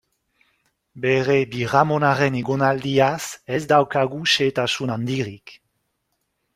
Bere birramonaren egonaldiaz ez daukagu xehetasun handirik.